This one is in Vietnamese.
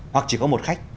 hoặc chỉ có một khách